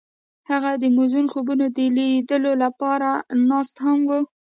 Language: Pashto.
هغوی د موزون خوبونو د لیدلو لپاره ناست هم وو.